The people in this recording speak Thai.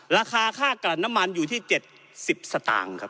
ราคาค่ากรรณมันอยู่ที่๗๐สตางค์ครับ